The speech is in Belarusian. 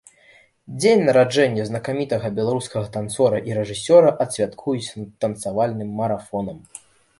Дзень нараджэння знакамітага беларускага танцора і рэжысёра адсвяткуюць танцавальным марафонам.